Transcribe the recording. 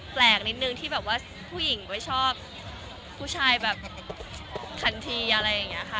แปลกนิดนึงที่แบบว่าผู้หญิงไม่ชอบผู้ชายแบบทันทีอะไรอย่างนี้ค่ะ